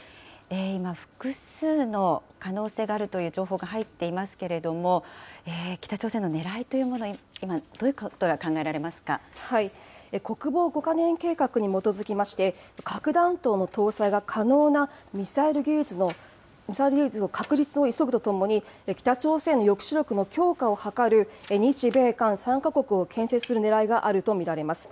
今、複数の可能性があるという情報が入っていますけれども、北朝鮮のねらいというもの、今、どう国防５か年計画に基づきまして、核弾頭の搭載が可能なミサイル技術の確立を急ぐとともに、北朝鮮への抑止力の強化を図る日米韓３か国をけん制するねらいがあると見られます。